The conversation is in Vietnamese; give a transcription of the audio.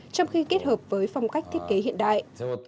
trong khi kết hợp với phong cách thiết kế hiện đại